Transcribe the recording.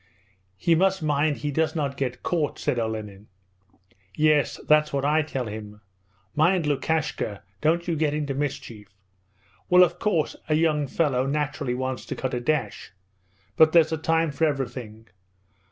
'He must mind he does not get caught,' said Olenin. 'Yes, that's what I tell him. "Mind, Lukashka, don't you get into mischief. Well, of course, a young fellow naturally wants to cut a dash. But there's a time for everything.